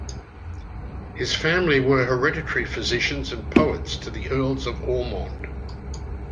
His family were hereditary physicians and poets to the Earls of Ormond.